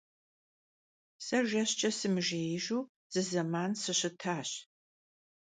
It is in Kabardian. Se jjeşç'e sımıjjêijju zı zeman sışıtaş.